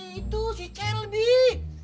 itu si selby